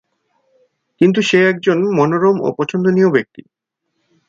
কিন্তু সে একজন মনোরম ও পছন্দনীয় ব্যক্তি।